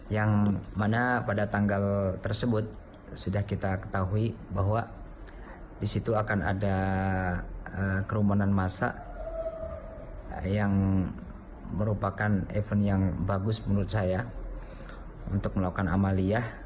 yang mana pada tanggal tersebut sudah kita ketahui bahwa di situ akan ada kerumunan masa yang merupakan event yang bagus menurut saya untuk melakukan amaliyah